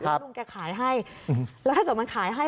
แล้วลุงแกขายให้แล้วถ้าเกิดมันขายให้